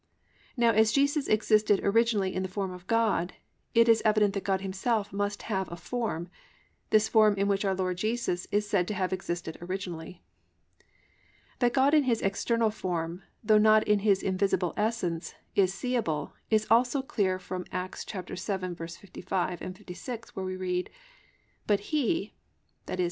Now as Jesus existed originally "in the form of God," it is evident that God Himself must have a form, this form in which our Lord Jesus is said to have existed originally. That God in His external form, though not in His invisible essence, is seeable, is also clear from Acts 7:55, 56, where we read: +"But he+ (i.e.